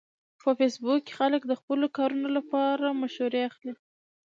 په فېسبوک کې خلک د خپلو کارونو لپاره مشورې اخلي